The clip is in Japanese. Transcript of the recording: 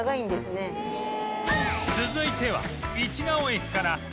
続いては市が尾駅から徒歩